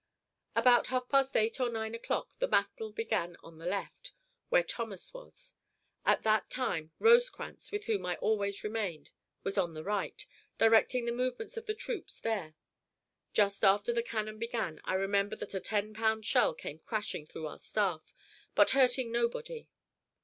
About half past eight or nine o'clock the battle began on the left, where Thomas was. At that time Rosecrans, with whom I always remained, was on the right, directing the movements of the troops there. Just after the cannon began I remember that a ten pound shell came crashing through our staff, but hurting nobody.